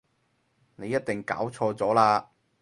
你一定搞錯咗喇